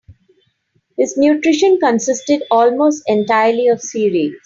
His nutrition consisted almost entirely of cereals.